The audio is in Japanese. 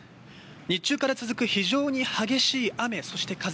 日中から続く非常に激しい雨、そして、風。